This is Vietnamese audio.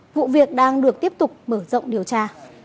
vụ việc đang được tiếp tục mở rộng điều tra